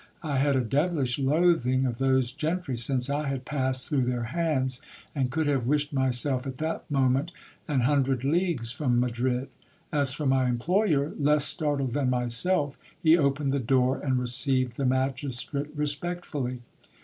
I had a devilish loathing of those gentry since I had passed through their hands, and could have wished myself at that moment an hundred leagues from Madrid. As for my employer, less startled than myself, he opened the door, and received the magis trate respectfully.